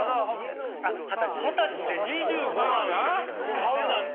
買うなんて。